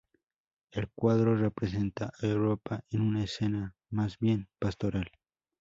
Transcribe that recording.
El cuadro representa a Europa en una escena más bien pastoral.